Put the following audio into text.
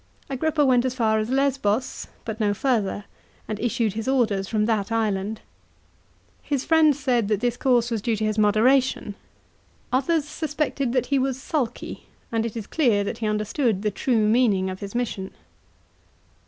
Agrippa went as far as Lesbos, but no further, and issued his orders from that island. His friends said that this course was due to his moderation; others suspected that he was sulky, and it is clear that he understood the true meaning of his mission.